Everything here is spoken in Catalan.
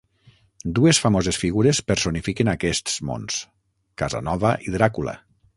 Dues famoses figures personifiquen aquests mons, Casanova i Dràcula.